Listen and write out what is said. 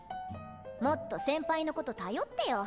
もっと先輩のこと頼ってよ。